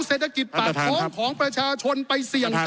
ขอประท้วงครับขอประท้วงครับขอประท้วงครับขอประท้วงครับ